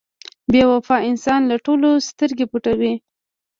• بې وفا انسان له ټولو سترګې پټوي.